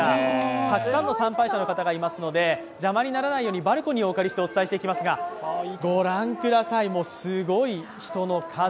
たくさんの参拝者の方がいますので、邪魔にならないようにバルコニーをお借りしてお伝えしていきますが、ご覧ください、もう、すごい人の数。